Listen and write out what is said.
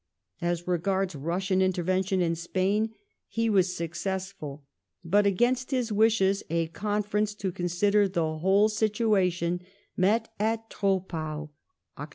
As regards Russian intervention in Spain he was successful, but against his wishes a Conference to consider the whole situation met at Troppau (Oct.